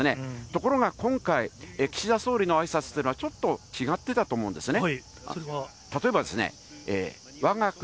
ところが今回、岸田総理のあいさつというのは、ちょっと違っていたと思うんですね。